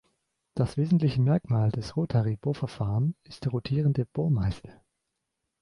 Das wesentliche Merkmal des Rotary-Bohrverfahren ist der rotierende Bohrmeißel.